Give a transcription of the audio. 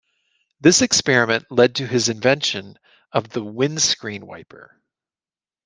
This experience led to his invention of the windscreen wiper.